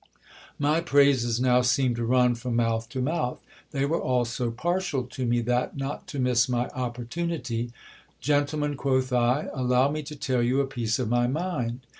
My praises now seemed to run from mouth to mouth. They were all so partial to me, that, not to miss my opportunity ;— Gentlemen, quoth I, allow me to tell you a piece of my mind.